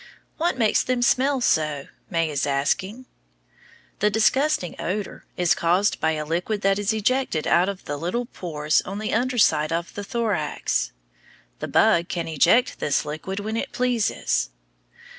What makes them smell so? May is asking. The disgusting odor is caused by a liquid that is ejected out of little pores on the under side of the thorax. The bug can eject this liquid when it pleases.